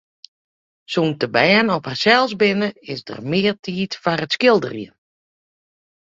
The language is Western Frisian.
Sûnt de bern op harsels binne, is der mear tiid foar it skilderjen.